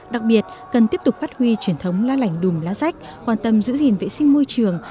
đặc biệt cần tiếp tục phát huy truyền thống lá lành đùm lá rách quan tâm giữ gìn vệ sinh môi trường